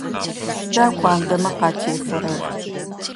Сыда куандэмэ къатефэрэр?